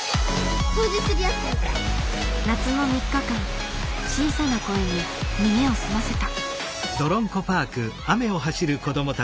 夏の３日間小さな声に耳を澄ませた。